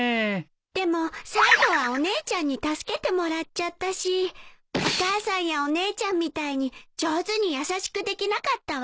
でも最後はお姉ちゃんに助けてもらっちゃったしお母さんやお姉ちゃんみたいに上手に優しくできなかったわ。